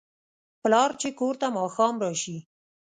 پلار چې کور ته ماښام راشي